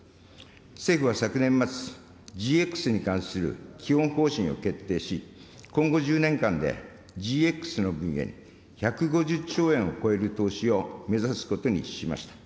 政府は昨年末、ＧＸに関する基本方針を決定し、今後１０年間でＧＸの分野に１５０兆円を超える投資を目指すことにしました。